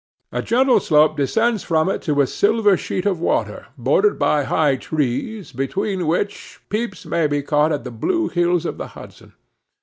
A gentle slope descends from it to a silver sheet of water, bordered by high trees, between which, peeps may be caught at the blue hills of the Hudson.